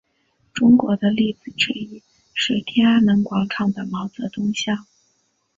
中国的例子之一是天安门广场的毛泽东像。